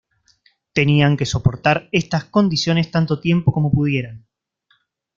Tenían que soportar estas condiciones tanto tiempo como pudieran.